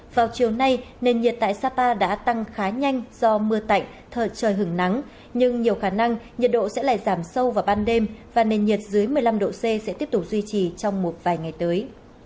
vào chiều nay nền nhiệt tại sapa đã tăng khá nhanh do mưa tạnh thời trời hứng nắng nhưng nhiều khả năng nhiệt độ sẽ lại giảm sâu vào ban đêm và nền nhiệt dưới một mươi năm độ c sẽ tiếp tục duy trì trong một vài ngày tới